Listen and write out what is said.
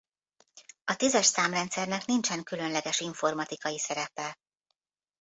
A tízes számrendszernek nincsen különleges informatikai szerepe.